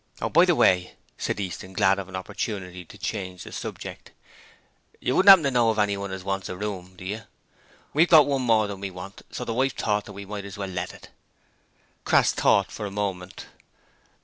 'Oh, by the way,' said Easton, glad of an opportunity to change the subject, 'you don't happen to know of anyone as wants a room, do you? We've got one more than we want, so the wife thought that we might as well let it.' Crass thought for a moment.